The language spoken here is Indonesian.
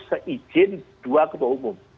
seizin dua ketua umum